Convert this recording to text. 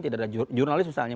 tidak ada jurnalis misalnya